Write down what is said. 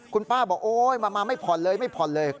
คุณป้าบอกโอ๊ยมาไม่ผ่อนเลยไม่ผ่อนเลย